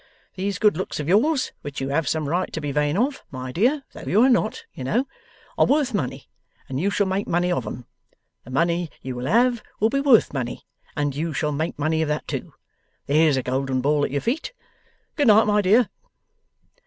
These good looks of yours (which you have some right to be vain of; my dear, though you are not, you know) are worth money, and you shall make money of 'em. The money you will have, will be worth money, and you shall make money of that too. There's a golden ball at your feet. Good night, my dear.